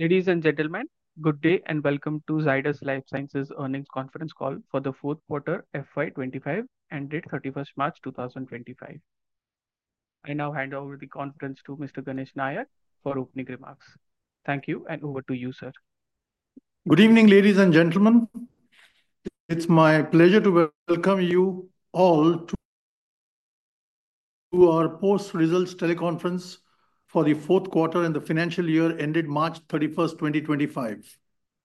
Ladies and gentlemen, good day and welcome to Zydus Lifesciences earnings conference call for the fourth quarter FY 2025 ended 31st March 2025. I now hand over the conference to Mr. Ganesh Nayak for opening remarks. Thank you. Over to you, sir. Good evening ladies and gentlemen. It's my pleasure to welcome you all to our post results teleconference for the fourth quarter and the financial year ended March 31st, 2025.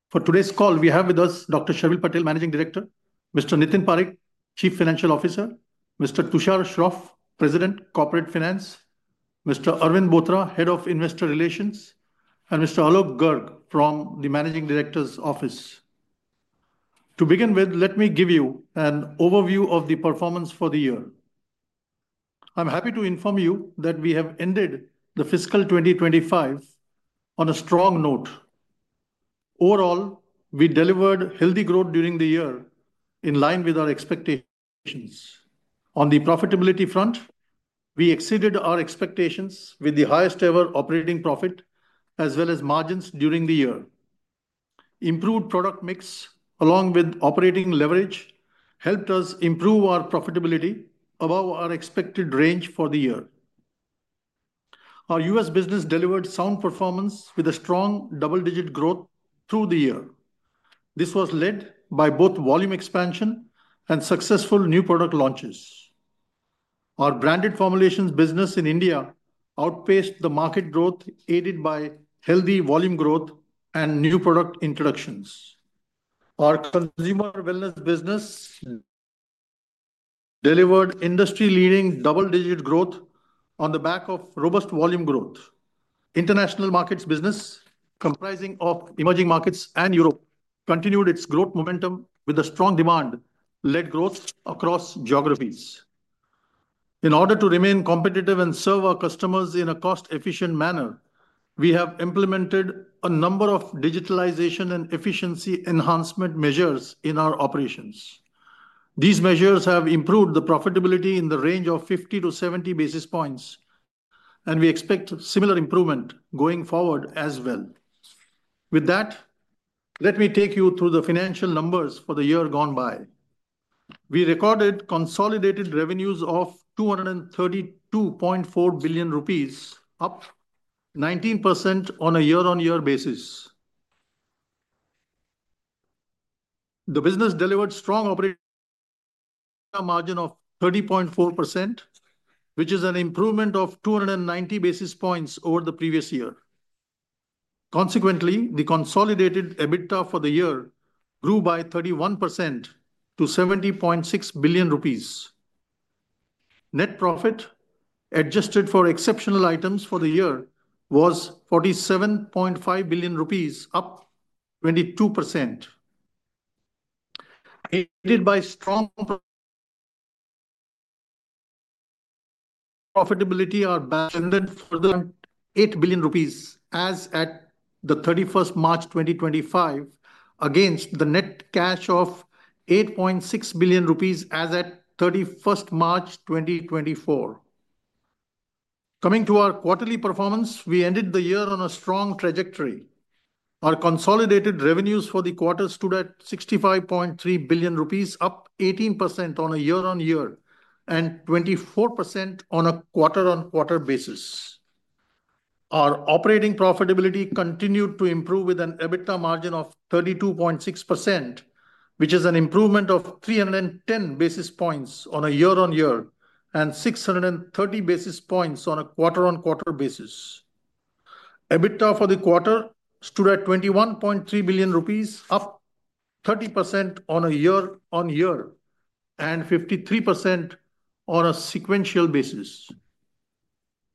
For today's call, we have with us Dr. Sharvil Patel, Managing Director, Mr. Nitin Parekh, Chief Financial Officer, Mr. Tushar Shroff, President Corporate Finance, Mr. Arvind Bothra, Head of Investor Relations, and Mr. Alok Garg from the Managing Director's office. To begin with, let me give you an overview of the performance for the year. I'm happy to inform you that we have ended the fiscal 2025 on a strong note. Overall, we delivered healthy growth during the year in line with our expectations. On the profitability front, we exceeded our expectations with the highest ever operating profit as well as margins during the year. Improved product mix along with operating leverage helped us improve our profitability above our expected range for the year. Our U.S. business delivered sound performance with a strong double-digit growth through the year. This was led by both volume expansion and successful new product launches. Our branded formulations business in India outpaced the market growth aided by healthy volume growth and new product introductions. Our consumer wellness business delivered industry-leading double-digit growth on the back of robust volume growth. International markets business comprising of emerging markets and Europe continued its growth momentum with a strong demand-led growth across geographies. In order to remain competitive and serve our customers in a cost efficient manner, we have implemented a number of digitalization and efficiency enhancement measures in our operations. These measures have improved the profitability in the range of 50-70 basis points and we expect similar improvement going forward as well. With that, let me take you through the financial numbers for the year gone by. We recorded consolidated revenues of 2,232.4 billion rupees, up 19% on a year-on-year basis. The business delivered strong operating margin of 30.4% which is an improvement of 290 basis points over the previous year. Consequently, the consolidated EBITDA for the year grew by 31% to 70.6 billion rupees. Net profit adjusted for exceptional items for the year was 47.5 billion rupees, up 22%. Aided by strong profitability, our [ended] further 8 billion rupees, as at 31st March 2025 against the net cash of 8.6 billion rupees as at 31st March 2024. Coming to our quarterly performance, we ended the year on a strong trajectory. Our consolidated revenues for the quarter stood at 65.3 billion rupees, up 18% on a year-on-year and 24% on a quarter-on-quarter basis. Our operating profitability continued to improve with an EBITDA margin of 32.6%, which is an improvement of 310 basis points on a year-on-year and 630 basis points on a quarter-on-quarter basis. EBITDA for the quarter stood at 21.3 billion rupees, up 30% on a year-on-year and 53% on a sequential basis.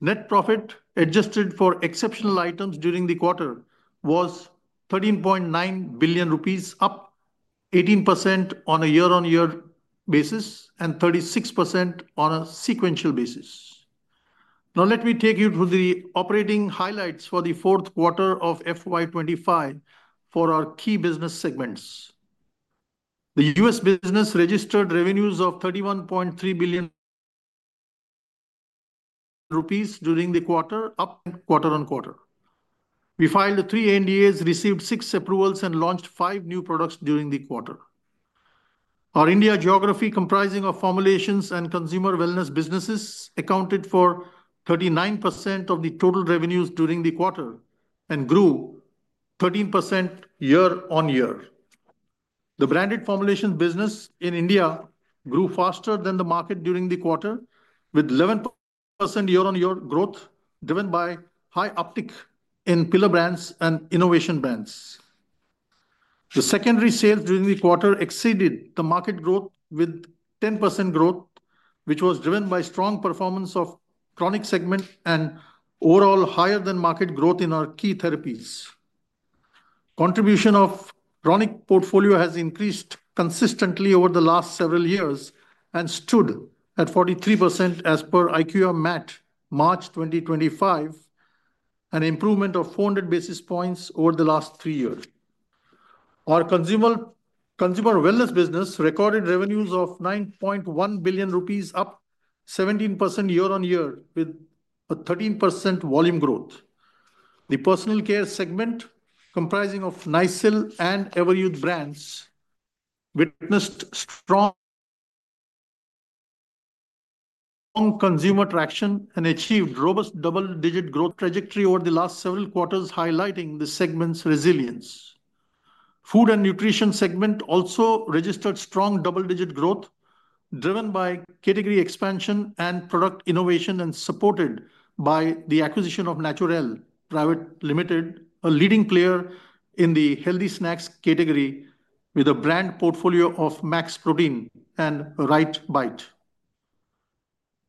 Net profit adjusted for exceptional items during the quarter was 13.9 billion rupees, up 18% on a yea- on-year basis and 36% on a sequential basis. Now let me take you through the operating highlights for the fourth quarter of FY 2025 for our key business segments. The U.S. business registered revenues of INR 31.3 billion during the quarter, up quarter-on-quarter. We filed three NDAs, received six approvals, and launched five new products during the quarter. Our India geography comprising of formulations and consumer wellness businesses accounted for 39% of the total revenues during the quarter and grew 13% year-on-year. The branded formulation business in India grew faster than the market during the quarter with 11% year-on-year growth driven by high uptick in pillar brands and innovation brands. The secondary sales during the quarter exceeded the market growth with 10% growth, which was driven by strong performance of chronic segment and overall higher than market growth in our key therapies. Contribution of chronic portfolio has increased consistently over the last several years and stood at 43% as per IQVIA MAT March 2025, an improvement of 400 basis points over the last three years. Our consumer wellness business recorded revenues of 9.1 billion rupees, up 17% year-on-year with a 13% volume growth. The personal care segment comprising of Nicyl and Everyuth brands witnessed strong consumer traction and achieved robust double-digit growth trajectory over the last several quarters, highlighting the segment's resilience. Food and nutrition segment also registered strong double-digit growth driven by category expansion and product innovation and supported by the acquisition of Naturell Private Limited, a leading player in the healthy snacks category with a brand portfolio of Max Protein and RiteBite.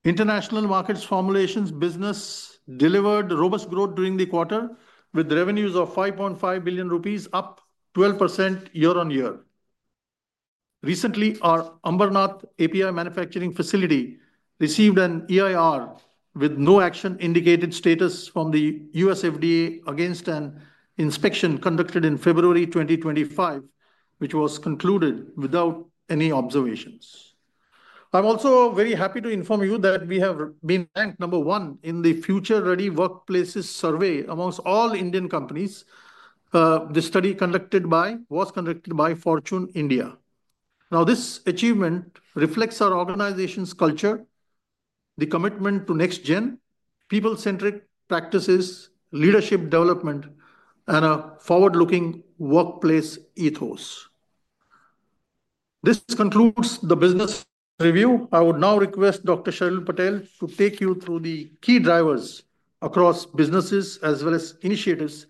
International markets formulations business delivered robust growth during the quarter with revenues of 5.5 billion rupees, up 12% year-on-year. Recently our Ambernath API manufacturing facility received an EIR with no action indicated status from the U.S. FDA against an inspection conducted in February 2025 which was concluded without any observations. I'm also very happy to inform you that we have been ranked number one in the Future Ready Workplaces Survey amongst all Indian companies. The study was conducted by Fortune India. This achievement reflects our organization's culture, the commitment to next-gen, people-centric practices, leadership development and a forward-looking workplace ethos. This concludes the business review. I would now request Dr. Sharvil Patel to take you through the key drivers across businesses as well as initiatives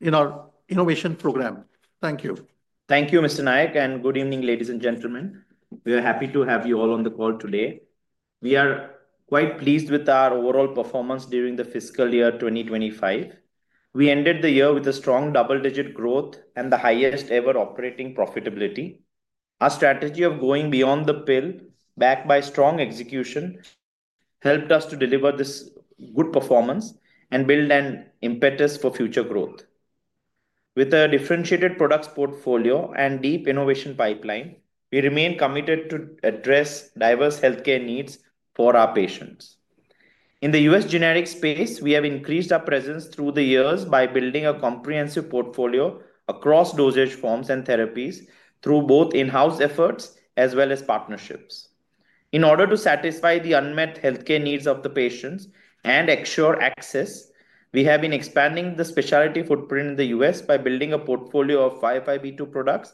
in our innovation program. Thank you. Thank you Mr. Nayak and good evening ladies and gentlemen. We are happy to have you all on the call today. We are quite pleased with our overall performance during the fiscal year 2025. We ended the year with a strong double-digit growth and the highest ever operating profitability. Our strategy of going beyond the pill, backed by strong execution, helped us to deliver this good performance and build an impetus for future growth. With a differentiated products portfolio and deep innovation pipeline, we remain committed to address diverse healthcare needs for our patients. In the U.S. generic space, we have increased our presence through the years by building a comprehensive portfolio across dosage forms and therapies through both in-house efforts as well as partnerships. In order to satisfy the unmet healthcare needs of the patients and actual access, we have been expanding the specialty footprint in the U.S. by building a portfolio of 505(b)(2) products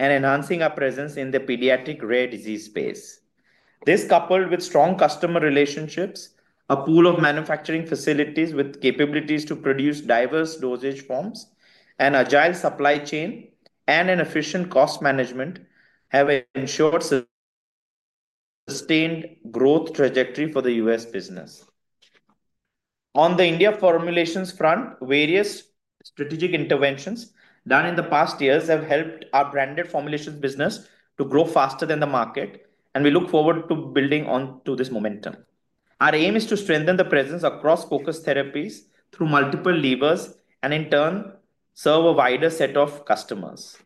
and enhancing our presence in the pediatric rare disease space. This, coupled with strong customer relationships, a pool of manufacturing facilities with capabilities to produce diverse dosage forms, an agile supply chain, and efficient cost management, have ensured a sustained growth trajectory for the U.S. business. On the India formulations front, various strategic interventions done in the past years have helped our branded formulations business to grow faster than the market, and we look forward to building on to this momentum. Our aim is to strengthen the presence across focus therapies through multiple levers and in turn serve a wider set of customers.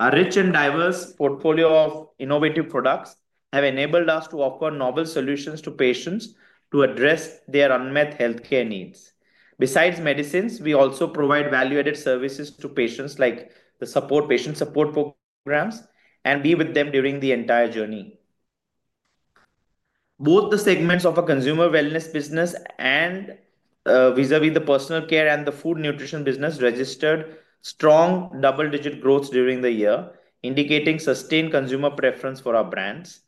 A rich and diverse portfolio of innovative products has enabled us to offer novel solutions to patients to address their unmet health care needs. Besides medicines, we also provide value-added services to patients like the support patient support programs and be with them during the entire journey. Both the segments of our consumer wellness business and vis a vis the personal care and the food nutrition business registered strong double-digit growth during the year, indicating sustained consumer preference for our brands.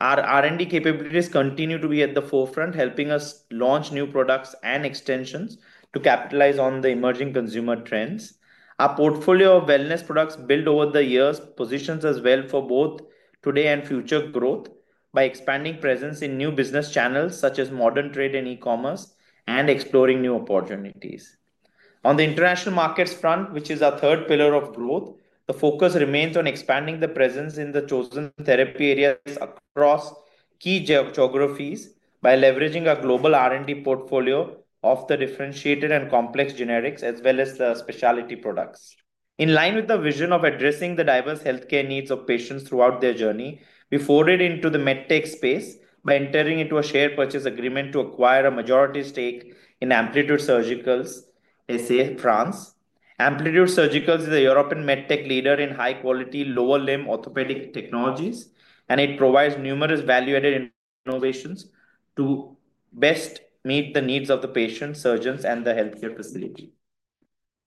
Our R&D capabilities continue to be at the forefront, helping us launch new products and extensions to capitalize on the emerging consumer trends. Our portfolio of wellness products built over the years positions us well for both today and future growth by expanding presence in new business channels such as modern trade and e-commerce and exploring new opportunities on the international markets front, which is our third pillar of growth, the focus remains on expanding the presence in the chosen therapy areas across key geographies by leveraging a global R&D portfolio of the differentiated and complex generics as well as the specialty products. In line with the vision of addressing the diverse healthcare needs of patients throughout their journey, we forwarded into the MedTech space by entering into a share purchase agreement to acquire a majority stake in Amplitude-Surgicals SA France. Amplitude Surgicals is a European MedTech leader in high quality lower limb orthopedic technologies and it provides numerous value added innovations to best meet the needs of the patient, surgeons, and the healthcare facility.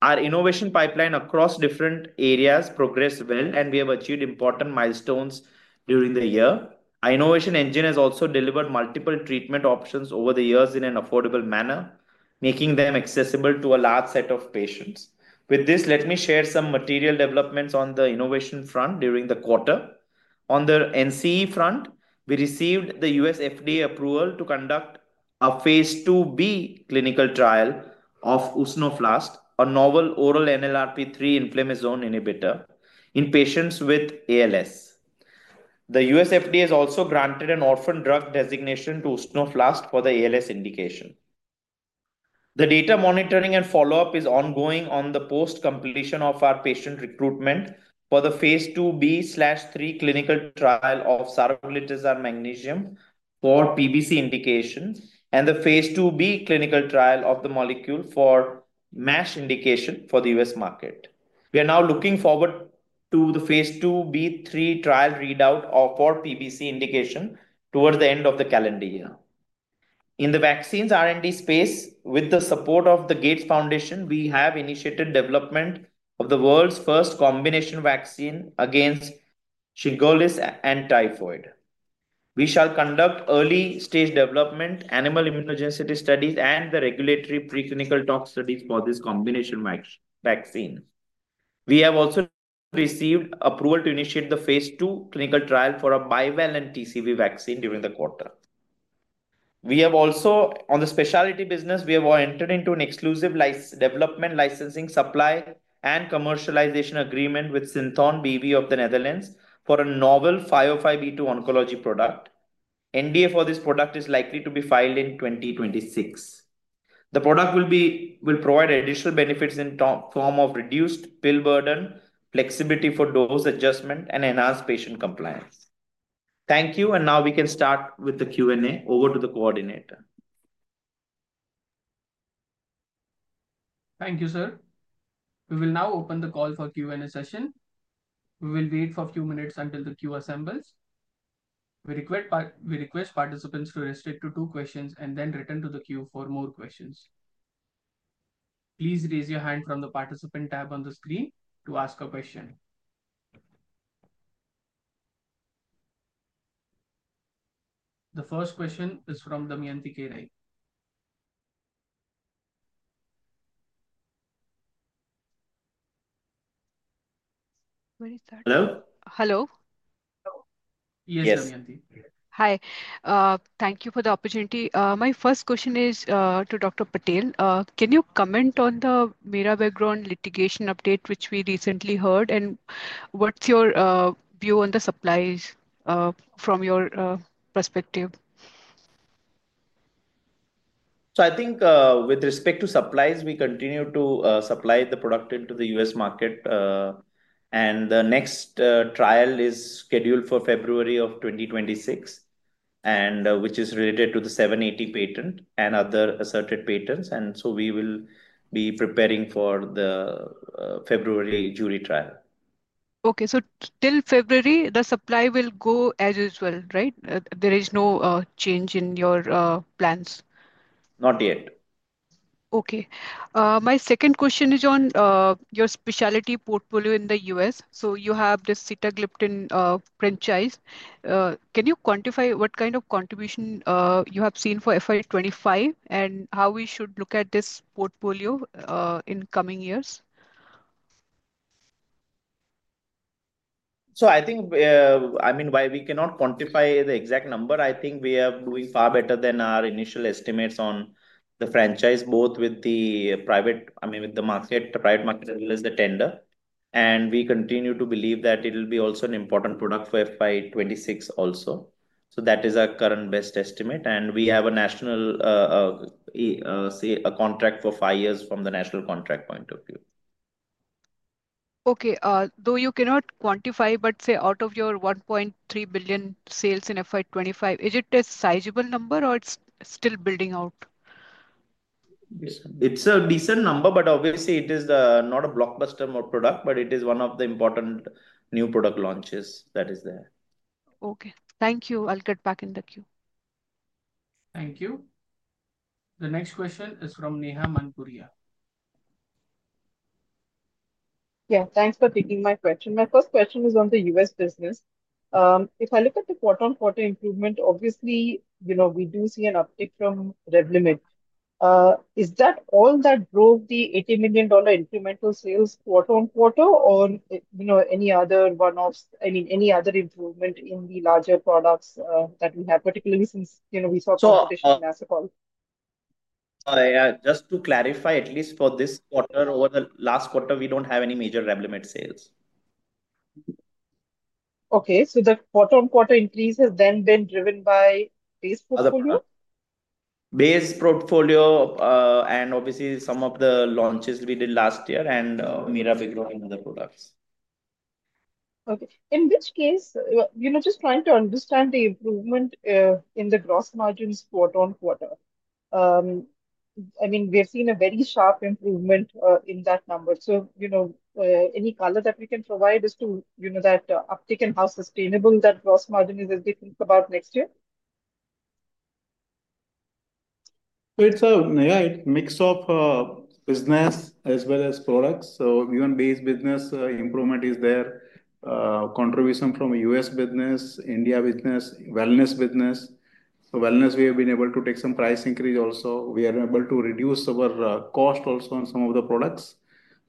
Our innovation pipeline across different areas progress well and we have achieved important milestones during the year. Innovation engine has also delivered multiple treatment options over the years in an affordable manner, making them accessible to a large set of patients. With this, let me share some material developments on the innovation front. During the quarter on the NCE front, we received the U.S. FDA approval to conduct a phase IIb clinical trial of Usnoflast, a novel oral NLRP3 inflammasome inhibitor in patients with ALS. The U.S. FDA has also granted an orphan drug designation to Usnoflast for the ALS indication. The data monitoring and follow up is ongoing on the post completion of our patient recruitment for the phase IIb/III clinical trial of saroglitazar magnesium for PBC indications and the phase IIb clinical trial of the molecule for MASH indication for the U.S. market. We are now looking forward to the phase IIb/III trial readout for PBC indication towards the end of the calendar year. In the vaccines R&D space, with the support of the Gates Foundation, we have initiated development of the world's first combination vaccine against Shigellosis and typhoid. We shall conduct early stage development animal immunogenicity studies and the regulatory preclinical tox studies for this combination vaccine. We have also received approval to initiate the phase II clinical trial for a bivalent TCV vaccine during the quarter. We have also, on the specialty business, entered into an exclusive development, licensing, supply, and commercialization agreement with Synthon BV of the Netherlands for a novel 505(b)(2) oncology product. NDA for this product is likely to be filed in 2026. The product will provide additional benefits in the form of reduced pill burden, flexibility for dose adjustment, and enhanced patient compliance. Thank you. We can now start with the Q and A. Over to the coordinator. Thank you, sir. We will now open the call for the Q and A session. We will wait for a few minutes until the queue assembles. We request participants to restrict to two questions and then return to the queue for more questions. Please raise your hand from the participant tab on the screen to ask a question. The first question is from Damayanti Kerai. Hello. Hello. Hi. Thank you. Thank you for the opportunity. My first question is to Dr. Patel. Can you comment on the mirabegron litigation update which we recently heard and what's your view on the supplies from your perspective? I think with respect to supplies, we continue to supply the product into the U.S. market and the next trial is scheduled for February of 2026, which is related to the 780 patent and other asserted patents. We will be preparing for the February jury trial. Okay. Till February the supply will go as usual, right? There is no change in your plans? Not yet. Okay, my second question is on your specialty portfolio in the U.S. You have this sitagliptin franchise. Can you quantify what kind of contribution you have seen for FY 2025 and how we should look at this portfolio in coming years? I mean, why we cannot quantify the exact number. I think we are doing far better than our initial estimates on the franchise both with the private, I mean with the market, private market as well as the tender. We continue to believe that it will be also an important product for FY 2026 also. That is our current best estimate. We have a national, say, a contract for five years from the national contract point of view. Okay. Though you cannot quantify but say out of your $1.3 billion sales in FY 2025, is it a sizable number or it is still building out? It is a decent number but obviously it is not a blockbuster product, but it is one of the important new product launches that is there. Okay, thank you. I'll get back in the queue. Thank you. The next question is from Neha Manpuria. Yeah, thanks for taking my question. My first question is on the U.S. business. If I look at the quarter-on-quarter improvement, obviously, you know, we do see an uptick from Revlimid. Is that all that broke the $80 million incremental sales quarter-on-quarter or, you know, any other one-offs? I mean, any other improvement in the larger products that we have? Particularly since, you know, we saw— Just to clarify, at least for this quarter over the last quarter, we don't have any major Revlimid sales. Okay. So the quarter-on-quarter increase has then been driven by base portfolio? Base portfolio and obviously some of the launches we did last year and mirabegron and other products. Okay. In which case, you know, just trying to understand the improvement in the gross margins quarter-on-quarter. I mean, we've seen a very sharp improvement in that number. You know, any color that we can provide as to, you know, that uptick and how sustainable that gross margin is as they think about next year? it's a mix of business as well as products. Even based business improvement is there. Contribution from U.S. business, India business, wellness business. Wellness, we have been able to take some price increase also. We are able to reduce our cost also on some of the products.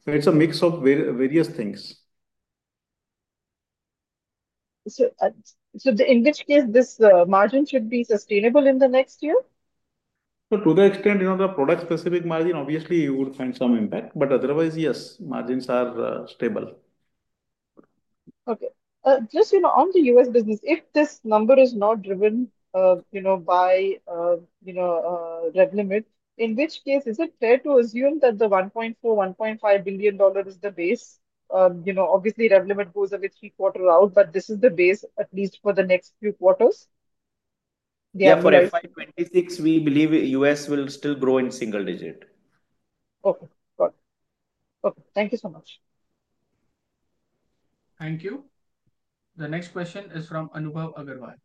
It is a mix of various things. In which case, this margin should be sustainable in the next year? To the extent, you know, the product specific margin, obviously you would find some impact. Otherwise, yes, margins are stable. Okay. Just you know on the U.S. business, if this number is not driven, you know, by, you know, Revlimid, in which case is it fair to assume that the $1.4 billion-$1.5 billion is the base? You know, obviously Revlimid goes away three quarters out. But this is the base at least for the next few quarters? For FY 2026, we believe US will still grow in single digit. Okay, got it. Okay. Thank you so much. Thank you. The next question is from Anubhav Agarwal.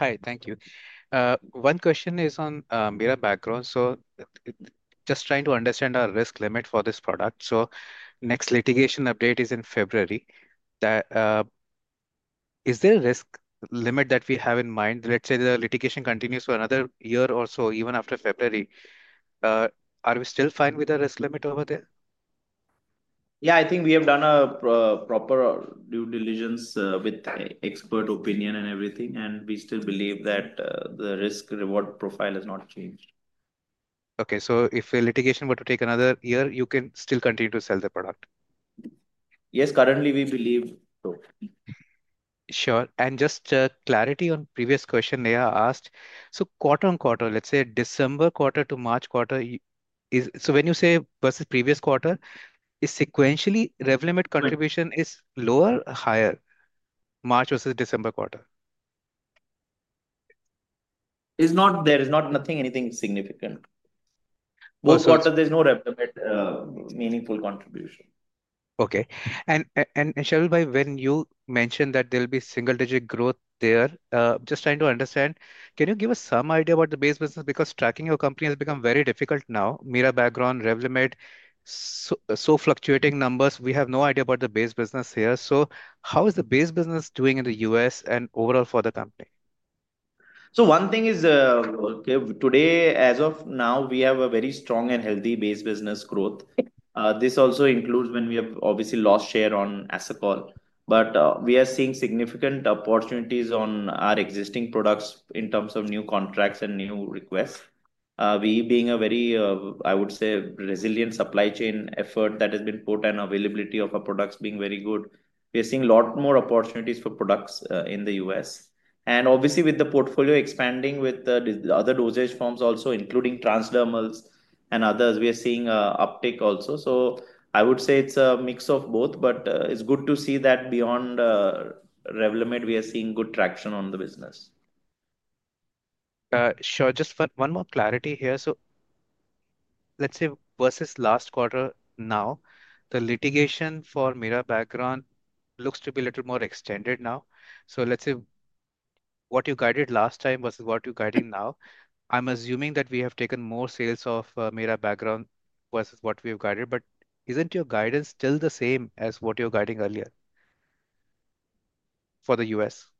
Hi, thank you. One question is on mirabegron. So just trying to understand our risk limit for this product. So next litigation update is in February. That is, is there a risk limit that we have in mind? Let's say the litigation continues for another year or so even after February, are we still fine with the risk limit over there? Yeah, I think we have done a proper due diligence with expert opinion and everything and we still believe that the risk reward profile has not changed. Okay. If a litigation were to take another year you can still continue to sell the product. Yes, currently we believe so. Sure. Just clarity on previous question they are asked, so quarter-on-quarte, let's say December quarter to March quarter is, when you say versus previous quarter is sequentially Revlimid contribution is lower or higher? March versus December quarter. It's not. There is not anything significant. Both quarter, there is no Revlimid meaningful contribution. Okay. Sharvil, when you mentioned that there will be single digit growth there. Just trying to understand. Can you give us some idea about the base business? Because tracking your company has become very difficult now. mirabegron, Revlimid, so fluctuating numbers. We have no idea about the base business here. How is the base business doing in the U.S. and overall for the company? One thing is today as of now, we have a very strong and healthy base business growth. This also includes when we have obviously lost share on Asacol. We are seeing significant opportunities on our existing products in terms of new contracts and new requests. We, being a very, I would say, resilient supply chain effort that has been put and availability of our products being very good, we're seeing a lot more opportunities for products in the U.S. And obviously with the portfolio expanding with the other dosage forms also including transdermals and others, we are seeing uptake also. I would say it's a mix of both. It is good to see that beyond Revlimid, we are seeing good traction on the business. Sure. Just one more clarity here. Let's say versus last quarter, now the litigation for mirabegron looks to be a little more extended now. Let's say what you guided last time versus what you are guiding now. I am assuming that we have taken more sales of mirabegron versus what we have guided. But is not your guidance still the same as what you were guiding earlier for the U.S.? I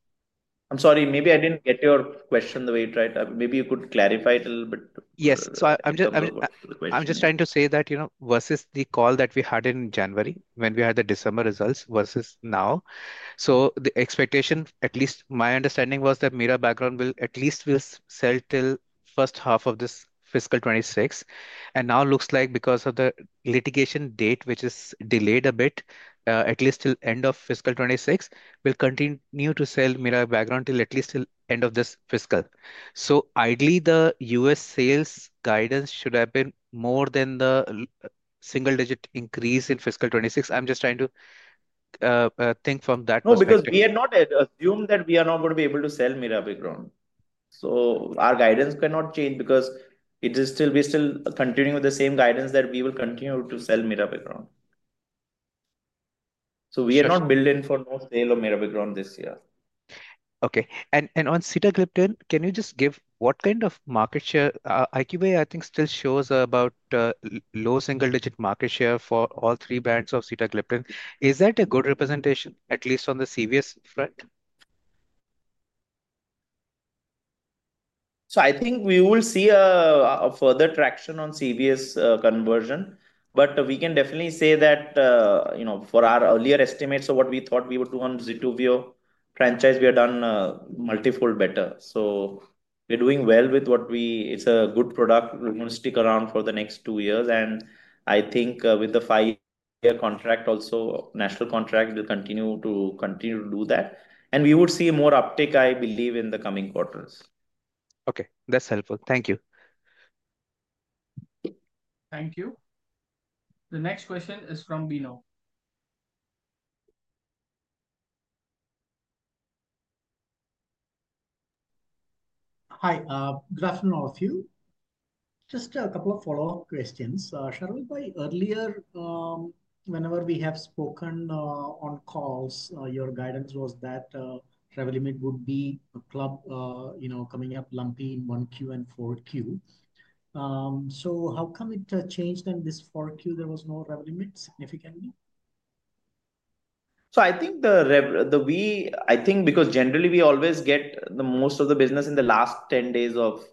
am sorry, maybe I did not get your question the way it was meant. Maybe you could clarify it a little bit. Yes, so I am just, I am just trying to say that, you know, versus the call that we had in January when we had the December results versus now. The expectation, at least my understanding, was that mirabegron will at least sell till the first half of this fiscal 2026, and now it looks like because of the litigation date, which is delayed a bit, at least till the end of fiscal 2026, we will continue to sell mirabegron till at least the end of this fiscal. Ideally, the U.S. sales guidance should have been more than the single-digit increase in fiscal 2026. I'm just trying to think from that. No, because we had not assumed that we are not going to be able to sell mirabegron. Our guidance cannot change because we are still continuing with the same guidance that we will continue to sell mirabegron. We are not building for no sale of mirabegron this year. Okay. On sitagliptin, can you just give what kind of market share IQVIA I think still shows about low single-digit market share for all three brands of sitagliptin. Is that a good representation at least on the CVS front? I think we will see a further traction on CVS conversion. We can definitely say that, you know, for our earlier estimates of what we thought we would do on Zituvio franchise, we have done multifold better. We're doing well with what we. It's a good product. We're going to stick around for the next two years and I think with the five-year contract, also national contract, we will continue to do that and we would see more uptake I believe in the coming quarters. Okay, that's helpful. Thank you. Thank you. The next question is from Bino. Hi, good afternoon all of you. Just a couple of follow up questions. Sharvil, earlier whenever we have spoken on calls, your guidance was that Revlimid would be, you know, coming up lumpy in 1Qand 4Q. How come it changed in this 4Q? There was no revenue significantly. I think because generally we always get most of the business in the last 10 days of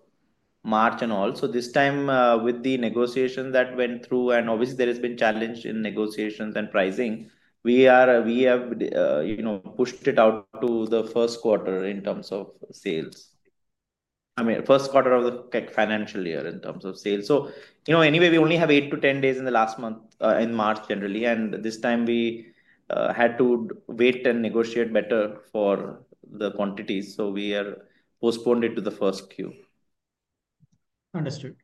March and also this time with the negotiation that went through and obviously there has been challenge in negotiations and pricing. We have, you know, pushed it out to the first quarter in terms of sales. I mean first quarter of the financial year in terms of sales. You know, anyway we only have eight to 10 days in the last month in March generally, and this time we had to wait and negotiate better for the quantities. We postponed it to the first Q.. Understood.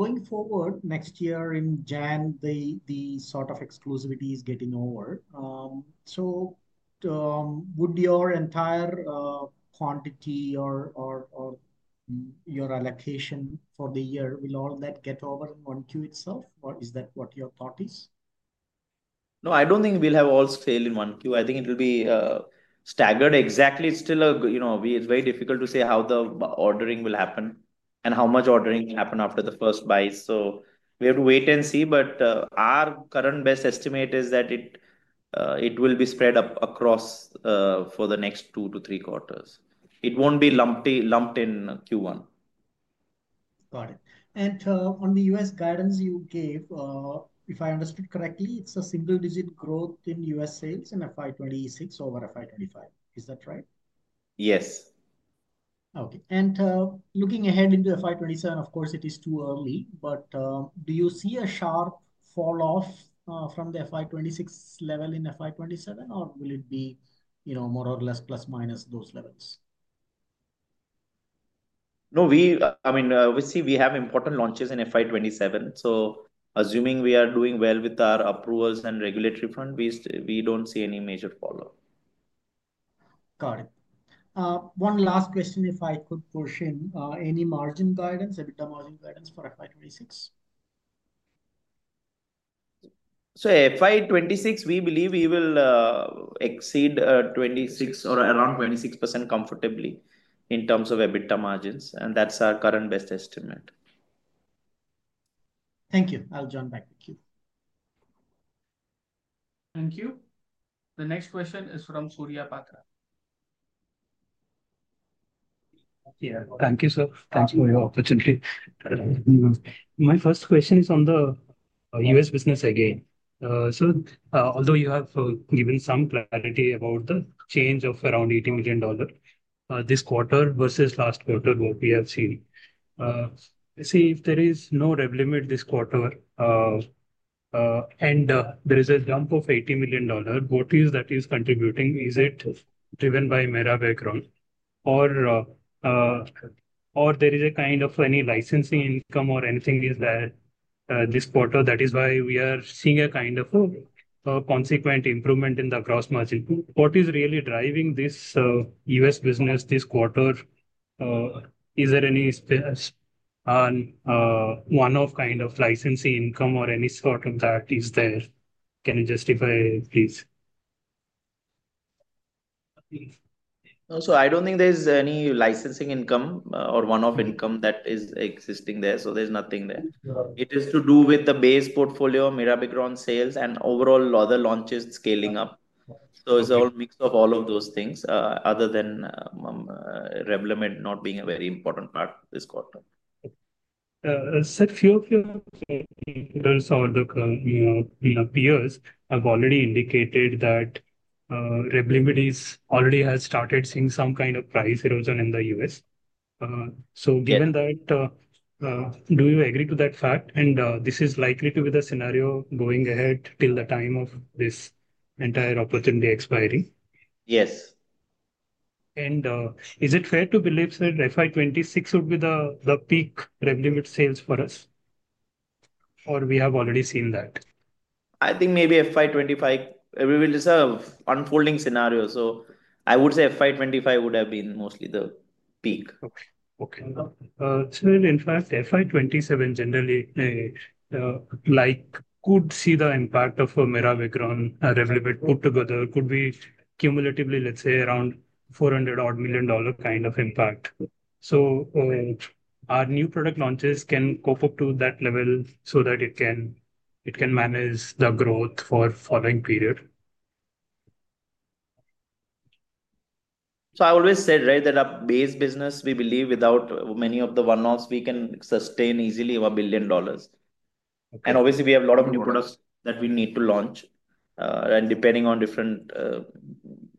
Going forward, next year in January, the sort of exclusivity is getting over. Would your entire quantity or your allocation for the year, will all that get over in 1Q itself, or is that what your thought is? No, I do not think we will have all fail in 1Q. I think it will be staggered. Exactly. Still, you know, it is very difficult to say how the ordering will happen and how much ordering happens after the first buy. We have to wait and see. Our current best estimate is that it will be spread out across the next two to three quarters. It will not be lumpy lumped in Q1. Got it. On the U.S. guidance you gave, if I understood correctly, it is a single-digit growth in U.S. sales in FY 2026 over FY 2025, is that right? Yes. Okay. Looking ahead into FY 2027, of course it is too early, but do you see a sharp fall off from the FY 2026 level in FY 2027 or will it be, you know, more or less plus minus those levels? No, we, I mean obviously we have important launches in FY 2027. Assuming we are doing well with our approvals and regulatory fund, we do not see any major fall off. Got it. One last question. If I could push in any margin guidance, EBITDA margin guidance for FY 2026. FY 2026 we believe we will exceed 26% or around 26% comfortably in terms of EBITDA margins. That is our current best estimate. Thank you. I'll jump back to the queue. Thank you. The next question is from Surya Patra. Yeah, thank you sir. Thanks for your opportunity. My first question is on the U.S. business again. Although you have given some clarity about the change of around $80 million this quarter versus last quarter, what we have seen, see if there is no Revlimid this quarter and there is a dump of $80 million, what is that is contributing? Is it driven by mirabegron or there is a kind of any licensing income or anything is there this quarter? That is why we are seeing a kind of consequent improvement in the gross margin. What is really driving this U.S. business this quarter? Is there any one of kind of licensee income or any sort of that is there, can you justify please? Also I don't think there's any licensing income or one-off income that is existing there. So there's nothing there, it is to do with the base portfolio, mirabegron sales, and overall other launches scaling up. It's all mix of all of those things other than Revlimid not being a very important part this quarter. Sir, few of your peers have already indicated that Revlimid has already started seeing some kind of price erosion in the U.S.. So given that, do you agree to that fact, and this is likely to be the scenario going ahead till the time of this entire opportunity expiry? Yes. Is it fair to believe that FY 2026 would be the peak Revlimid sales for us? Or we have already seen that? I think maybe FY 2025, we will deserve unfolding scenario. I would say FY 2025 would have been mostly the peak. In fact, FY 2027 generally could see the impact of a mirror vaccine revolver put together. Could be cumulatively, let's say, around $400 million kind of impact, so our new product launches can cope up to that level so that it can manage the growth for the following period. I always said, right, that a base business we believe without many of the one-offs we can sustain easily $1 billion. Obviously, we have a lot of new products that we need to launch and depending on different,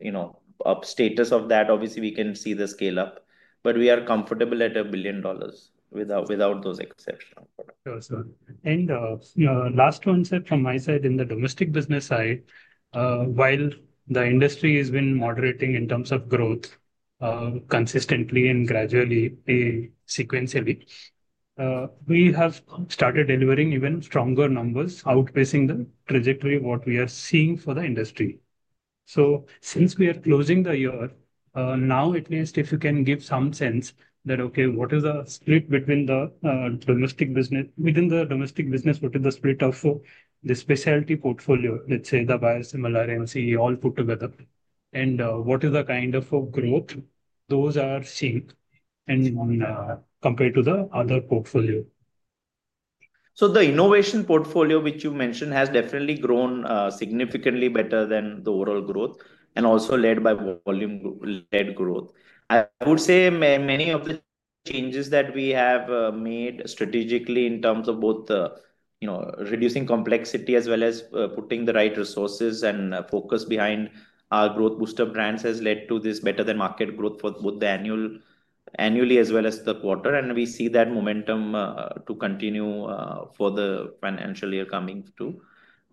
you know, up status of that, obviously we can see the scale up, but we are comfortable at a billion dollars without those exceptional products. Last one from my side, in the domestic business side, while the industry has been moderating in terms of growth consistently and gradually, sequentially, we have started delivering even stronger numbers outpacing the trajectory we are seeing for the industry. Since we are closing the year now, at least if you can give some sense that, okay, what is the split between the domestic business, within the domestic business, what is the split of the specialty portfolio, let's say the bias, similar MC all put together, and what is the kind of growth those are seeing compared to the other portfolio? The innovation portfolio which you mentioned has definitely grown significantly better than the overall growth and also led by volume-led growth. I would say many of the changes that we have made strategically in terms of both reducing complexity as well as putting the right resources and focus behind our growth booster brands has led to this better than market growth for both the annual as well as the quarter. We see that momentum to continue for the financial year coming too.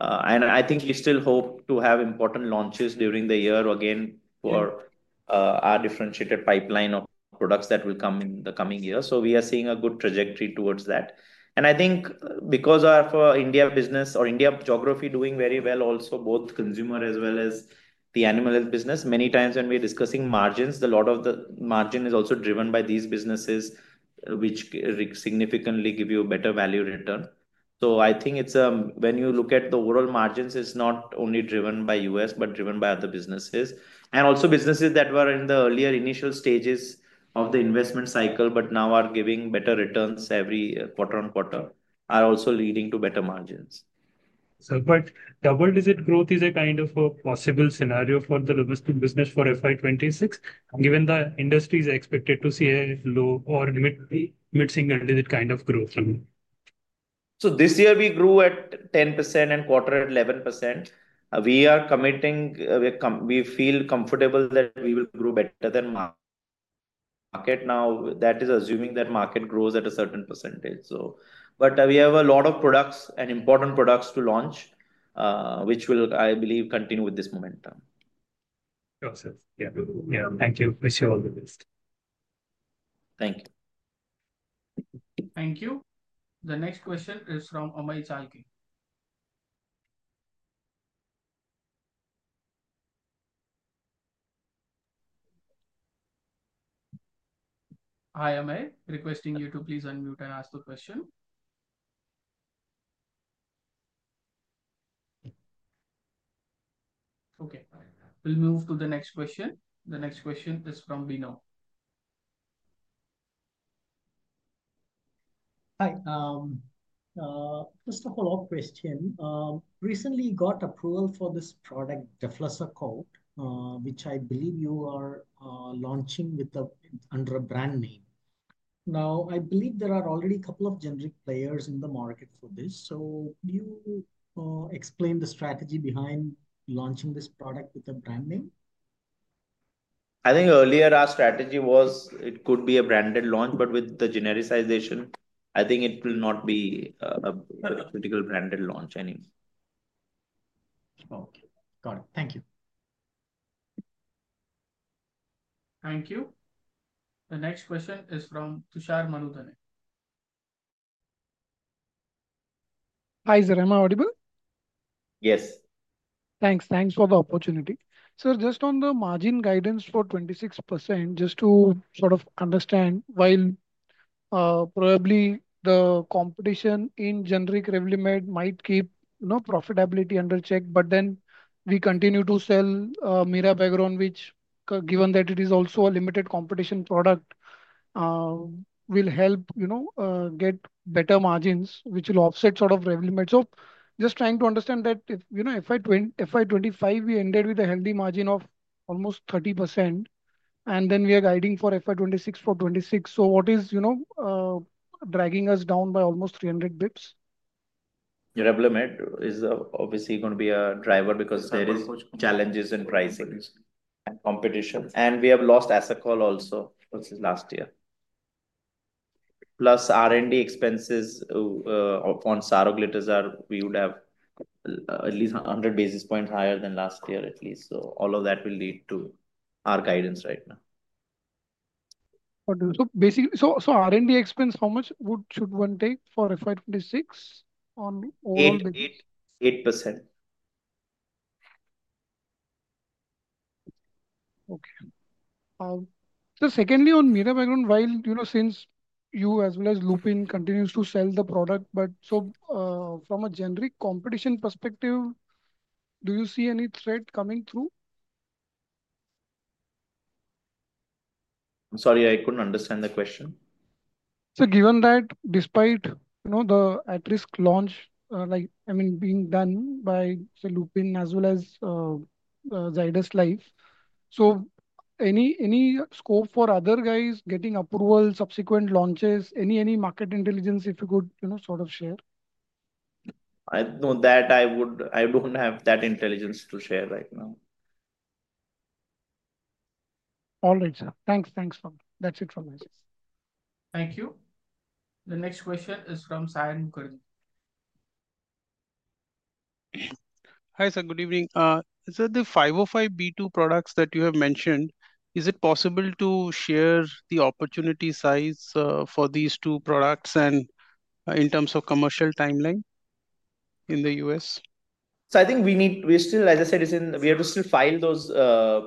I think we still hope to have important launches during the year again for our differentiated pipeline of products that will come in the coming year. We are seeing a good trajectory towards that. I think because of India business or India geography doing very well also both consumer as well as the animal health business. Many times when we're discussing margins, a lot of the margin is also driven by these businesses which significantly give you a better value return. I think it's when you look at the overall margins, it is not only driven by us but driven by other businesses and also businesses that were in the earlier initial stages of the investment cycle but now are giving better returns every quarter-on-quarter are also leading to better margins. Double digit growth is a kind of a possible scenario for the domestic business for FY2026 given the industry is expected to see a low or mid single digit kind of growth. This year we grew at 10% and quarter at 11%. We are committing, we feel comfortable that we will grow better than market now that is assuming that market grows at a certain percentage. We have a lot of products and important products to launch which will, I believe, continue with this momentum. Thank you. Wish you all the best. Thank you. Thank you. The next question is from Amey Chalke. I am requesting you to please unmute and ask the question. Okay, we'll move to the next question. The next question is from Bino. Hi, just a follow up question. Recently got approval for this product deflazacort which I believe you are launching with the under a brand name. Now I believe there are already a couple of generic players in the market for this. So you explain the strategy behind launching this product with a brand name. I think earlier our strategy was it could be a branded launch but with the genericization I think it will not be a critical branded launch anymore. Okay, got it. Thank you. Thank you. The next question is from Tushar Manudhane. Hi sir, am I audible? Yes. thanks. Thanks for the opportunity sir. Just on the margin guidance for 26% just to sort of understand while probably the competition in generic Revlimid might keep profitability under check, but then we continue to sell mirabegron which given that it is also a limited competition product will help get better margins which will offset sort of Revlimid. Just trying to understand that if you know FY2025 we ended with a healthy margin of almost 30% and then we are guiding for FY 2026 for 26%. What is, you know, dragging us down by almost 300 bips? Revlimind is obviously going to be a driver because there is challenges in pricing and competition and we have lost Asacol also last year plus R&D expenses on saroglitazar are, we would have at least 100 basis points higher than last year, at least. All of that will lead to our guidance right now. Basically, R&D expense, how much should one take for FY 2026 on all? 8%. Secondly, on mirabegron, while you know, since you as well as Lupin continue to sell the product, from a generic competition perspective, do you see any threat coming through? I'm sorry, I couldn't understand the question. Given that despite, you know, the at-risk launch, like I mean being done by Lupin as well as Zydus Life, any scope for other guys getting approval, subsequent launches, any market intelligence if you could, you know, sort of share? I know that I would. I don't have that intelligence to share right now. All right sir, thanks. Thanks. That's it for myself. Thank you. The next question is from [Saion]. Hi sir, good evening. The 505(b)(2) products that you have mentioned, is it possible to share the opportunity size for these two products and in terms of commercial timeline in the U.S.? I think we need, we're still, as I said, it's in, we have to still file those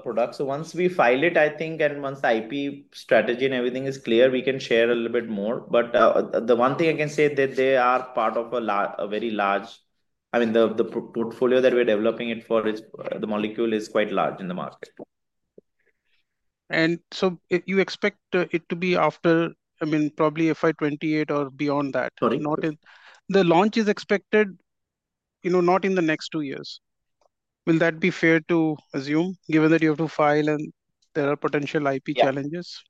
products. Once we file it, I think, and once the IP strategy and everything is clear, we can share a little bit more. The one thing I can say is that they are part of a very large, I mean, the portfolio that we're developing it for is, the molecule is quite large in the market. You expect it to be after, I mean, probably FY 2028 or beyond that. Sorry. The launch is expected, you know, not in the next two years. Will that be fair to assume given that you have to file and there are potential IP challenges? Yeah.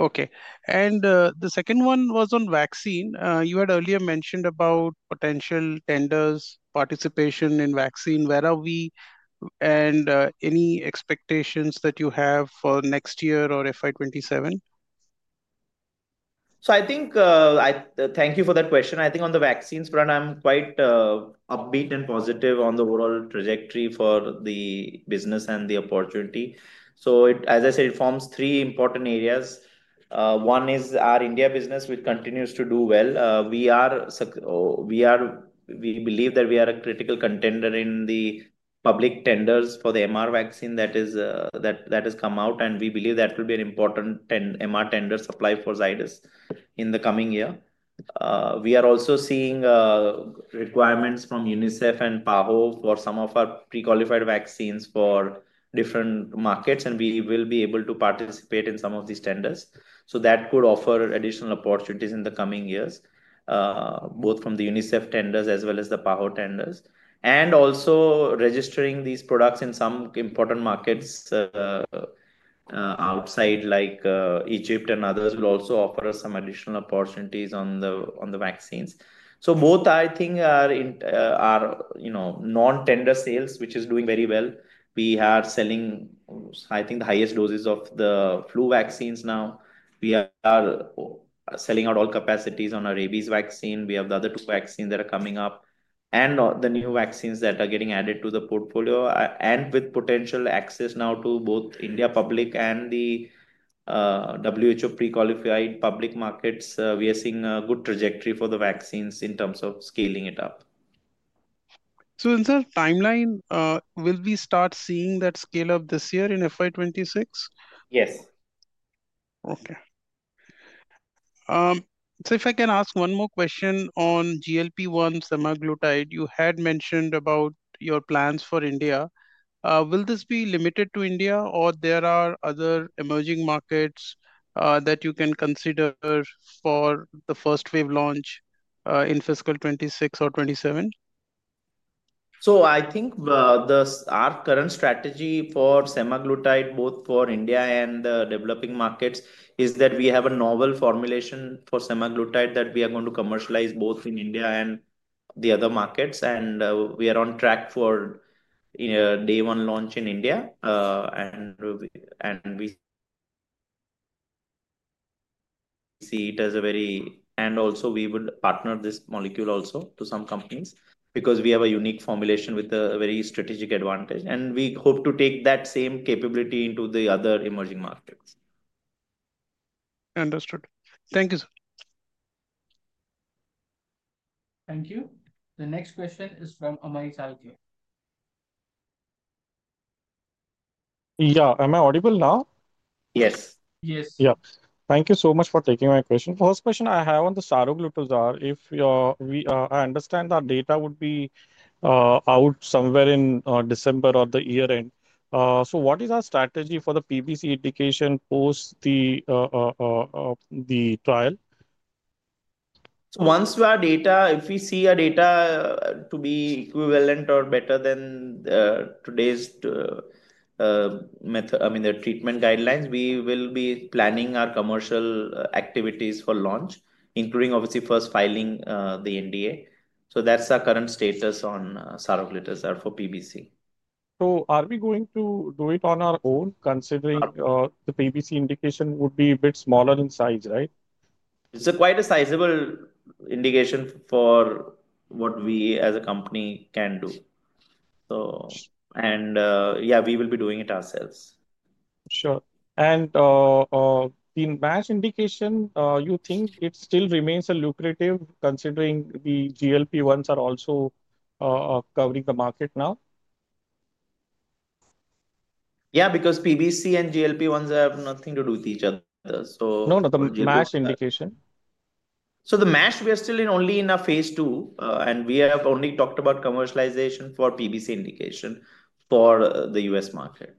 Okay. The second one was on vaccine. You had earlier mentioned about potential tenders, participation in vaccine, where are we and any expectations that you have for next year or FY 2027? I thank you for that question. I think on the vaccines front, I'm quite upbeat and positive on the overall trajectory for the business and the opportunity. It, as I said, forms three important areas. One is our India business, which continues to do well. We believe that we are a critical contender in the public tenders for the MR vaccine that has come out, and we believe that will be an important MR tender supply for Zydus in the coming year. We are also seeing requirements from UNICEF and PAHO for some of our pre-qualified vaccines for different markets, and we will be able to participate in some of these tenders. That could offer additional opportunities in the coming years, both from the UNICEF tenders as well as the PAHO tenders. Also, registering these products in some important markets outside like Egypt and others will also offer us some additional opportunities on the vaccines. Both, I think, are in our non tender sales, which is doing very well. We are selling, I think, the highest doses of the flu vaccines now. We are selling out all capacities on our rabies vaccine. We have the other two vaccines that are coming up and the new vaccines that are getting added to the portfolio, and with potential access now to both India public and the WHO pre-qualified public markets, we are seeing a good trajectory for the vaccines in terms of scaling it up. In terms of timeline, will we start seeing that scale up this year in FY 2026? Yes. Okay. If I can ask one more question on GLP-1 semaglutide, you had mentioned about your plans for India. Will this be limited to India or are there other emerging markets that you can consider for the first wave launch in fiscal 2026 or 2027? I think our current strategy for semaglutide both for India and the developing markets is that we have a novel formulation for semaglutide that we are going to commercialize both in India and the other markets. We are on track for day one launch in India and we see it as a very. Also, we would partner this molecule also to some companies because we have a unique formulation with a very strategic advantage and we hope to take that same capability into the other emerging market markets. Understood. Thank you sir. Thank you. The next question is from [Amey Chalke]. Yeah. Am I audible now? Yes. Yes. Yeah. Thank you so much for taking my question. First question I have on the saroglitazar, if we, I understand that data would be out somewhere in December or the year end. What is our strategy for the PBC indication post the trial? Once your data, if we see data to be equivalent or better than today's method, I mean the treatment guidelines, we will be planning our commercial activities for launch including obviously first filing the NDA. That is the current status on saroglitazar for PBC. Are we going to do it on our own considering the PBC indication would be a bit smaller in size, right? It is quite a sizable indication for what we as a company can do. Yeah, we will be doing it ourselves. Sure. In MASH indication, do you think it still remains lucrative considering the GLP-1s are also covering the market now? Yeah, because PBC and GLP-1s have nothing to do with each other. No, no, the MASH indication. The MASH we are still in only in a phase II and we have only talked about commercialization for PBC indication for the U.S. market.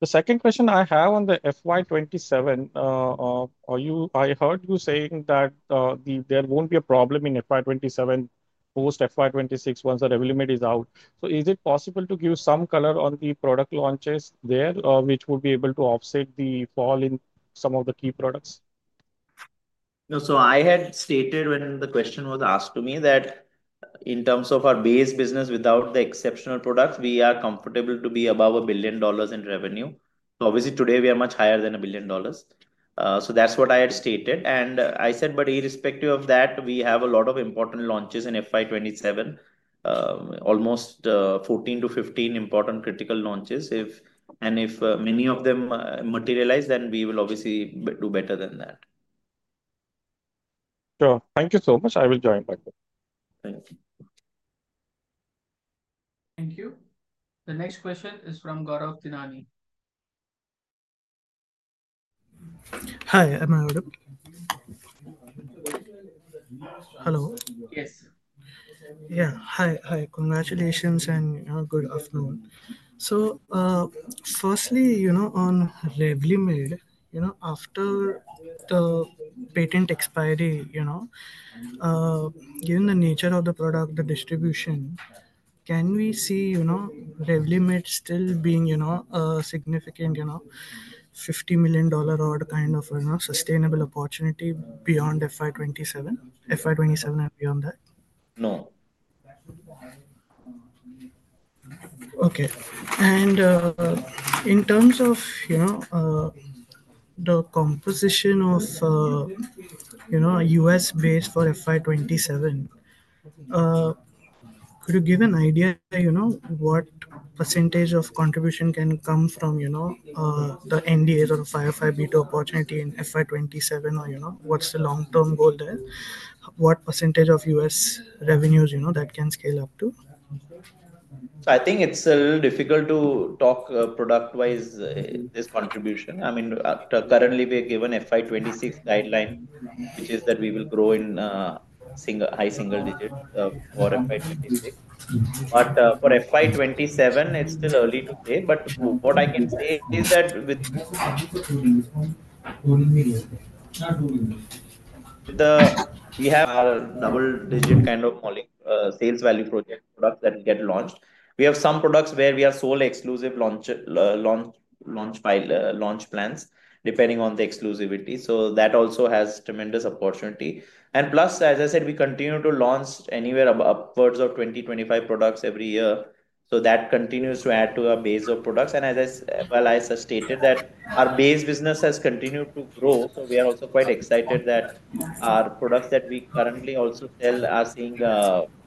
The second question I have on the FY 2027, are you, I heard you saying that there will not be a problem in FY 2027 post FY 2026 once the Revlimid is out. Is it possible to give some color on the product launches there which would be able to offset the fall in some of the key products? I had stated when the question was asked to me that in terms of our base business without the exceptional products we are comfortable to be above $1 billion in revenue. Obviously today we are much higher than $1 billion. That's what I had stated and I said, but irrespective of that, we have a lot of important launches in FY 2027, almost 14-15 important critical launches. If many of them materialize, then we will obviously do better than that. Sure. Thank you so much. I will join back. Thank you. Thank you. The next question is from Gaurav Tinani. Hi. Hello. Yes. Yeah, hi. Hi. Congratulations and good afternoon. Firstly, you know, on Revlimid, you know, after the patent expiry, you know, given the nature of the product, the distribution, can we see, you know, Revlimid still being, you know, significant, you know, $50 million odd kind of sustainable opportunity beyond FY 2027, FY 2027 and beyond that? No. Okay. In terms of, you know, the composition of, you know, U.S. based for FY 2027, could you give an idea, you know, what percentage of contribution can come from, you know, the NDAs or 505(b)(2) opportunity in FY 2027 or, you know, what's the long term goal there? What percentage of U.S. revenues, you know, that can scale up to? I think it's a little difficult to talk product-wise, this contribution. I mean, currently we have given FY 2026 guideline, which is that we will grow in high single digit for FY 2026. For FY 2027, it's still early to say. What I can say is that we have our double digit kind of sales value project products that will get launched, we have some products where we are solely exclusive, launch plans, depending on the exclusivity. That also has tremendous opportunity. Plus, as I said, we continue to launch anywhere upwards of 20-25 products every year. That continues to add to our base of products. As I stated, our base business has continued to grow. We are also quite excited that our products that we currently also sell are seeing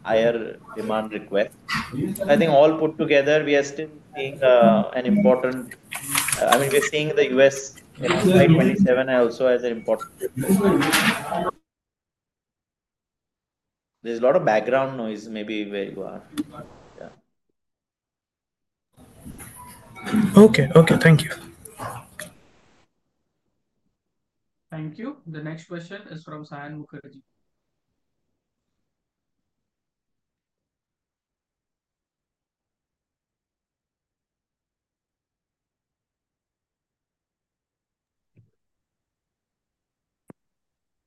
higher demand requests. I think all put together, we are still seeing an important, I mean, we're seeing the U.S. FY 2027 also as important. There's a lot of background noise maybe where you are. Okay. Okay, thank you. Thank you. The next question is from Saion Mukherjee.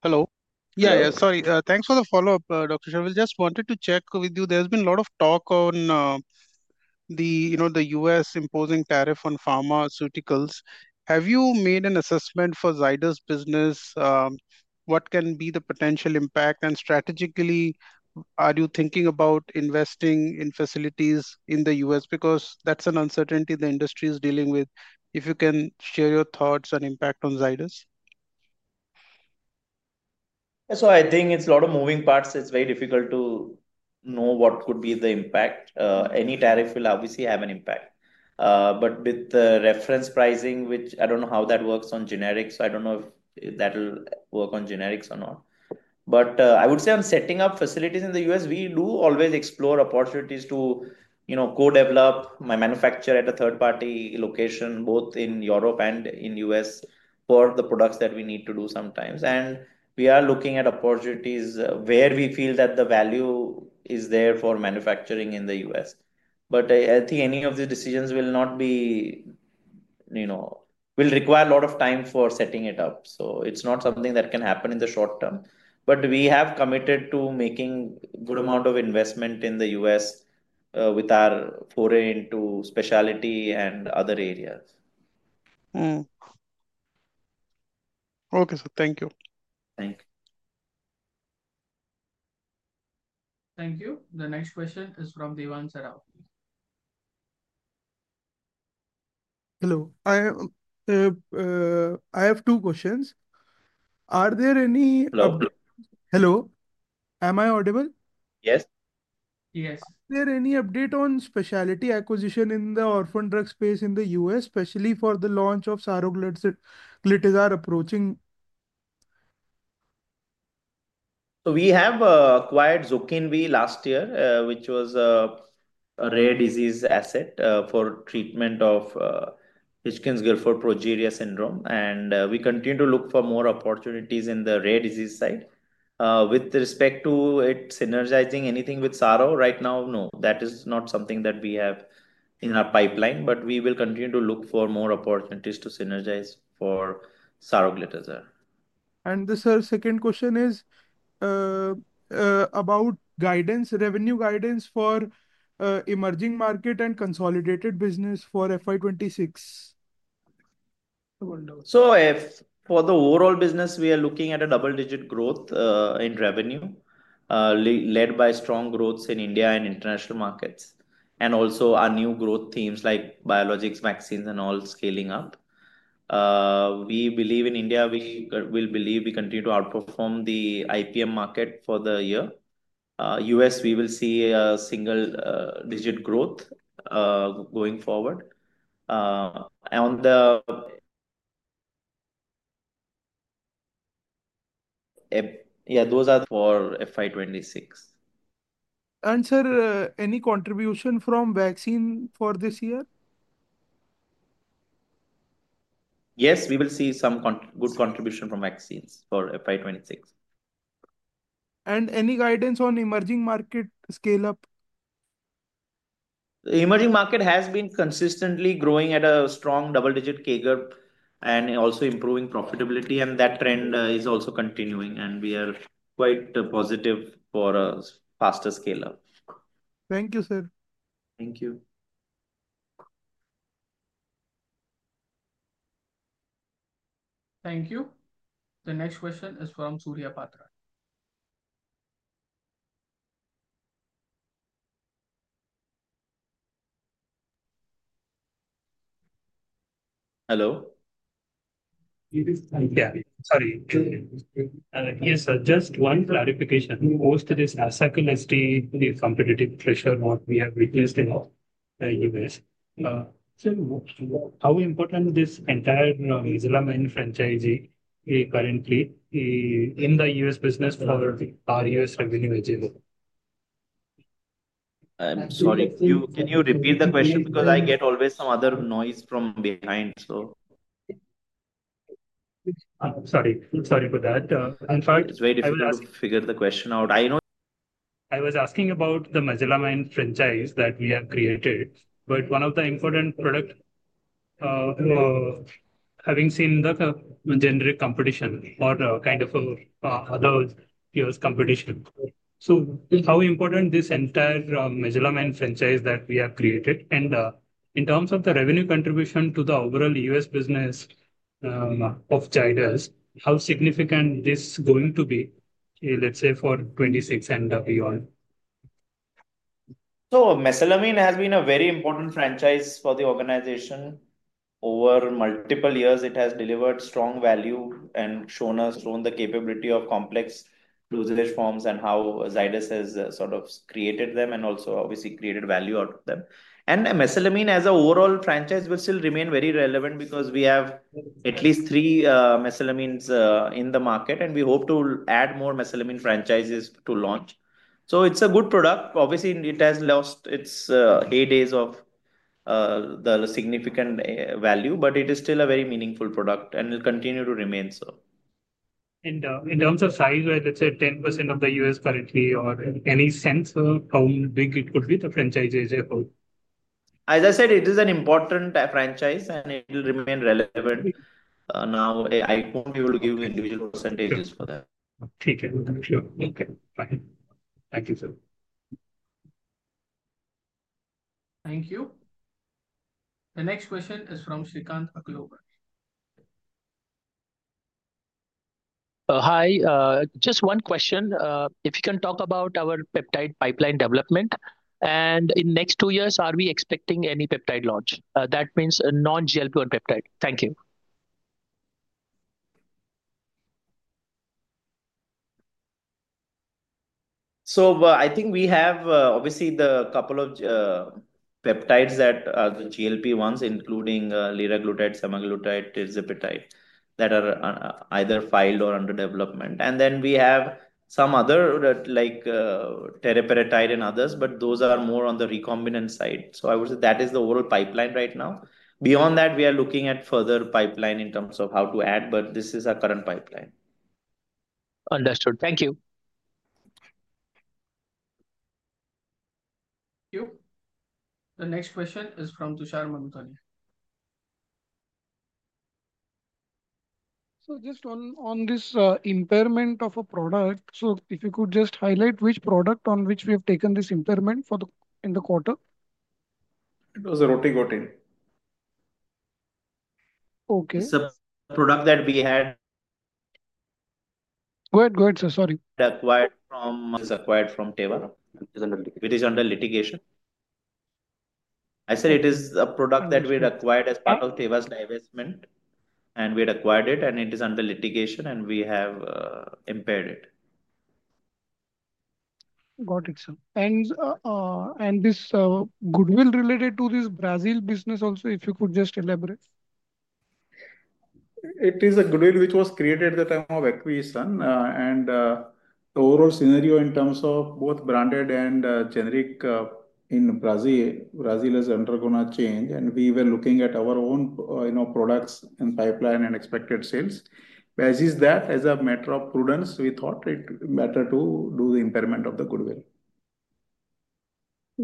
Hello. Yeah, sorry. Thanks for the follow up. Dr. Sharvil, just wanted to check with you. There's been a lot of talk on the, you know, the U.S. imposing tariff on pharmaceuticals. Have you made an assessment for Zydus business? What can be the potential impact? Strategically, are you thinking about investing in facilities in the U.S. because that's an uncertainty the industry is dealing with? If you can share your thoughts on impact on Zydus. I think it's a lot of moving parts. It's very difficult to know what could be the impact. Any tariff will obviously have an impact, but with the reference pricing, which I don't know how that works on generics, I don't know if that'll work on generics or not. I would say on setting up facilities in the U.S. we do always explore opportunities to, you know, co-develop, manufacture at a third-party location both in Europe and in the U.S. for the products that we need to do sometimes. We are looking at opportunities where we feel that the value is there for manufacturing in the US. I think any of these decisions will require a lot of time for setting it up. It is not something that can happen in the short term, but we have committed to making a good amount of investment in the U.S. with our foray into specialty and other areas. Thank you. The next question is from [Devang Sarang]. Hello, I have two questions. Are there any—hello, am I audible? Yes. Yes. Is there any update on specialty acquisition in the orphan drug space in the US, especially for the launch of saroglitazar approaching? We have acquired Zokinvy last year which was a rare disease asset for treatment of Hutchinson-Gilford Progeria syndrome and we continue to look for more opportunities in the rare disease side. With respect to synergizing anything with saro right now, no, that is not something that we have in our pipeline, but we will continue to look for more opportunities to synergize for saroglitazar. The second question is about guidance, revenue guidance for emerging market and consolidated business for FY 2026. If for the overall business we are looking at a double digit growth in revenue led by strong growths in India and international markets and also our new growth themes like biologics, vaccines and all scaling up, we believe in India we will continue to outperform the IPM market for the year. U.S. we will see a single digit growth going forward and yeah, those are for FY 2026. Any contribution from vaccine for this year? Yes, we will see some good contribution from vaccines for FY 2026. Any guidance on emerging market scale up? Emerging market has been consistently growing at a strong double digit [CAGR] and also improving profitability. And that trend is also continuing and we are quite positive for a faster scale up. Thank you, sir. Thank you. Thank you. The next question is from Surya Patra. Hello, sorry, yes, just one clarification. Who hosted this [second SD], the competitive pressure, what we have replaced us, how important this entire mesalamine franchise currently in the U.S. business for our U.S. revenue agenda. I'm sorry, can you repeat the question? Because I get always some other noise from behind, so, Sorry. Sorry for that. In fact, It's very difficult to figure the question out. I know I was asking about the mesalamine franchise that we have created, but one of the important products, having seen the generic competition or kind of other U.S. competition. How important is this entire mesalamine franchise that we have created? And in terms of the revenue contribution to the overall U.S. business of Zydus, how significant is this going to be, let's say, for 2026 and beyond? Mesalamine has been a very important franchise for the organization. Over multiple years, it has delivered strong value and shown us the capability of complex usage forms and how Zydus has sort of created them and also obviously created value out of them. Mesalamine as an overall franchise will still remain very relevant because we have at least three mesalamines in the market and we hope to add more mesalamine franchises to launch. It is a good product. Obviously it has lost its heydays of the significant value, but it is still a very meaningful product and will continue to remain so. In terms of size, where let's say 10 of the U.S. currently or any sense how big it could be, the franchise as a whole? As I said, it is an important franchise, and it will remain relevant. Now I won't be able to give individual percentages for that. Okay, fine. Thank you sir. Thank you. The next question is from [Sikant] Hi, just one question. If you can talk about our peptide pipeline development and in next two years are we expecting any peptide launch that means a non GLP-1 peptide? Thank you. I think we have obviously the couple of peptides that are the GLP-1S, including liraglutide, semaglutide, tirzepatide that are either filed or under development. And then we have some other like teriparatide and others, but those are more on the recombinant side. I would say that is the overall pipeline right now. Beyond that we are looking at further pipeline in terms of how to add. But this is our current pipeline. Understood, thank you. Thank you. The next question is from Tushar Manudhane. So just on, on this impairment of a product. If you could just highlight which product on which we have taken this impairment for the quarter. It was rotigotine. Okay. Product that we had. Go ahead, go ahead sir, sorry. Acquired from. Is acquired from Teva. It is under litigation. I said it is a product that we acquired as part of Teva's divestment and we had acquired it and it is under litigation and we have impaired it. Got it, sir. This goodwill related to this Brazil business also, if you could just elaborate. it is a goodwill which was created at the time of acquisition and the overall scenario in terms of both branded and generic in Brazil. Brazil has undergone a change and we were looking at our own, you know, products and pipeline and expected sales. As a matter of prudence, we thought it better to do the impairment of the goodwill.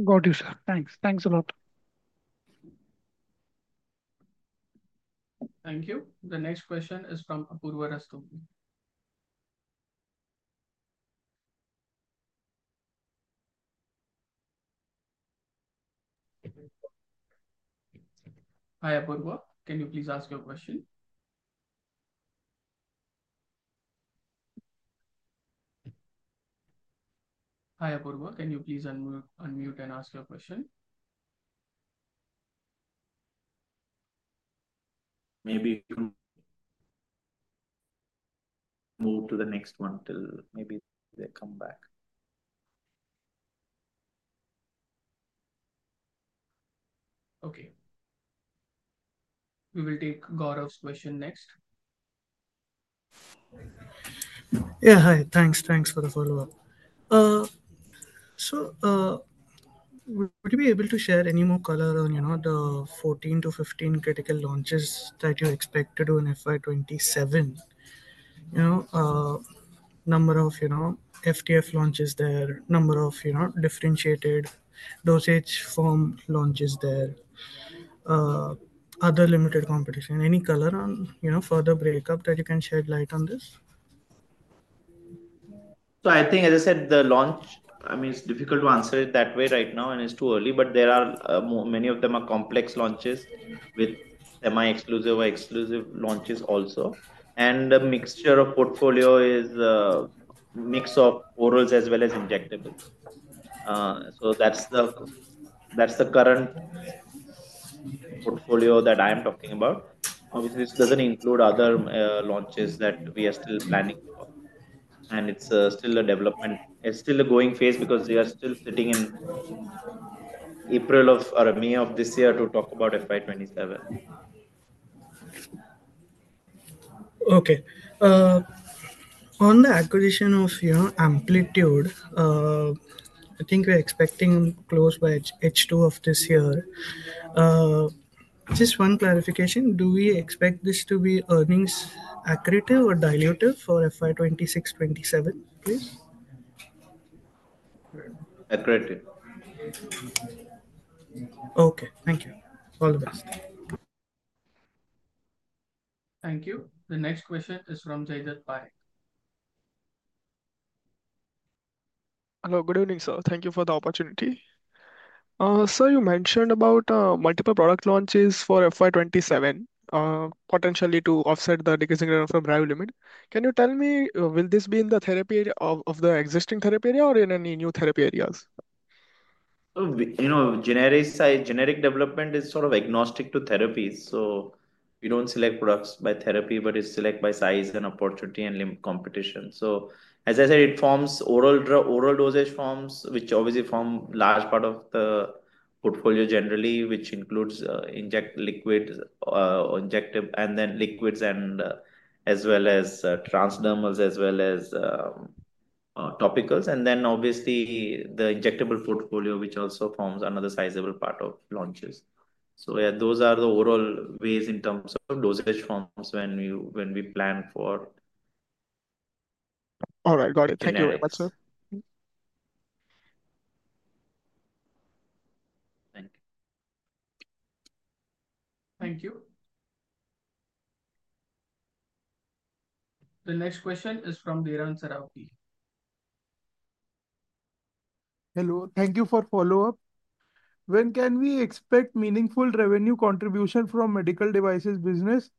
Got you, sir. Thanks. Thanks a lot. Thank you. The next question is from Apurva Rastogi. Hi Apurva, can you please ask your question? Hi Apurva, can you please unmute and ask your question? Maybe move to the next one till maybe they come back. Okay, we will take Gaurav's question next. Yeah. Hi. Thanks. Thanks for the follow up. Would you be able to share any more color on, you know, the 14-15 critical launches that you expect to do in FY2027? You know, number of, you know, FTF launches there, number of, you know, differentiated dosage form launches there, other limited competition, any color on, you know, further breakup that you can shed light on this. I think as I said, the launch, I mean, it's difficult to answer it that way right now and it's too early. There are many of them are complex launches, launches with semi exclusive or exclusive launches also. The mixture of portfolio is mix of orals as well as injectable. That's the current portfolio that I am talking about. Obviously this doesn't include other launches that we are still planning. It's still a development. It's still a going phase because they are still sitting in April or May of this year to talk about FY 2027. On the acquisition of, you know, Amplitude, I think we're expecting close by H2 of this year. Just one clarification. Do we expect this to be earnings accretive or dilutive for FY 2026-2027? Please. Accretive. Okay. Thank you. All the best. Thank you. The next question is from [Jedadpay] Hello. Good evening, sir. Thank you for the opportunity. You mentioned about multiple product launches for FY 2027 potentially to offset the decreasing rate of Revlimid. Can you tell me, will this be in the therapy of the existing therapy or in any new therapy areas? You know, generic size, generic development is sort of agnostic to therapies. We don't select products by therapy, but it's select by size and opportunity and limb competition. As I said, it forms oral, oral dosage forms which obviously form large part of the portfolio generally which includes inject, liquid, injective and then liquids and as well as transdermals as well as topicals and then obviously the injectable portfolio which also forms another sizable part of launches. Those are the overall ways in terms of dosage forms when you, when we plan for. All right, got it. Thank you very much sir. Thank you. Thank you. The next question is from [Berang Serapi] Hello. Thank you for follow up. When can we expect meaningful revenue contribution from medical devices business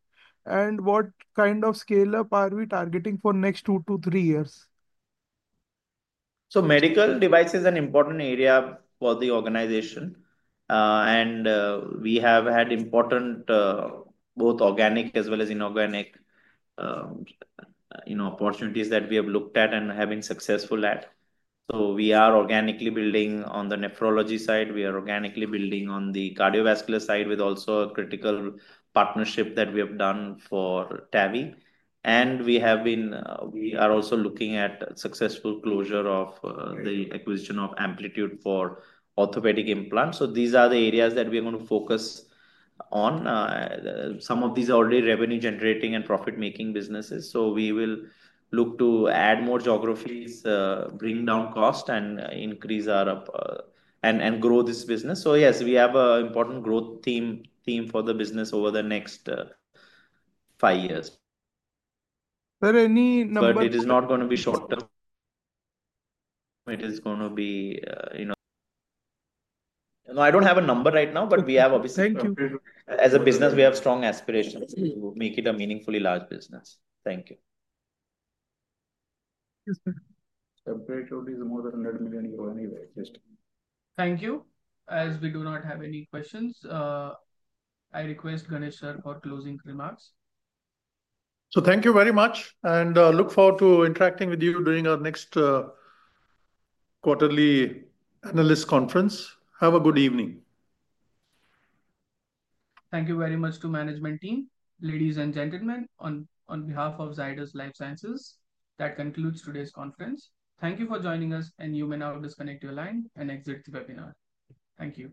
and what kind of scale up are we targeting for next two to three years? Medical device is an important area for the organization and we have had important both organic as well as inorganic, you know, opportunities that we have looked at and have been successful at. We are organically building on the nephrology side. We are organically building on the cardiovascular side with also a critical partnership that we have done for TAVI and we are also looking at successful closure of the acquisition of Amplitude for orthopedic implants. These are the areas that we are going to focus on, some of these already revenue generating and profit making businesses. We will look to add more geographies, bring down cost and increase our and grow this business. Yes, we have an important growth theme for the business over the next five years but it is not going to be short term. It is going to be, you know, no, I do not have a number right now but we have obviously. Thank you. As a business we have strong aspirations to make it a meaningfully large business. Thank you. [Upgrade] is more than $100 million. Anyway just Thank you. As we do not have any questions I request Ganesh for closing remarks. Thank you very much and look forward to interacting with you during our next quarterly analyst conference. Have a good evening. Thank you very much to management team. Ladies and gentlemen, on behalf of Zydus Lifesciences. That concludes today's conference. Thank you for joining us and you may now disconnect your line and exit the webinar. Thank you.